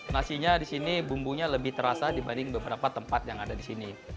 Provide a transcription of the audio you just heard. nasinya di sini bumbunya lebih terasa dibanding beberapa tempat yang ada di sini